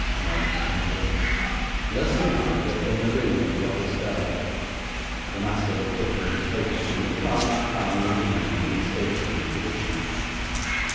Noggs nodded; and as he nodded, there came a ring at the office bell. The master looked up from his papers, and the clerk calmly remained in a stationary position.